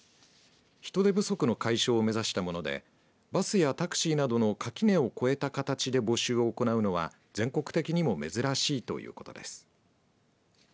人手不足の解消を目指したものでバスやタクシーなどの垣根を越えた形で募集を行うのは全国的にも珍しいということです。